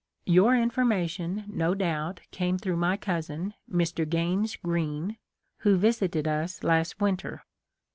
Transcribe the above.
Your information, no doubt, came through my cousin, Mr. Gaines Greene, who visited us last winter.